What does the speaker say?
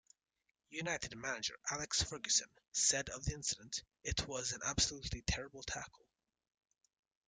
United manager Alex Ferguson said of the incident It was an absolutely terrible tackle.